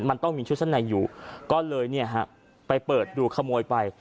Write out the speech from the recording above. มันต้องมีชุดชั้นในอยู่ก็เลยเนี่ยฮะไปเปิดดูขโมยไป